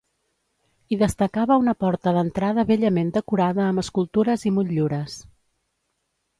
Hi destacava una porta d'entrada bellament decorada amb escultures i motllures.